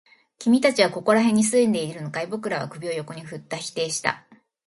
君たちはここら辺に住んでいるのかい？僕らは首を横に振った。否定した。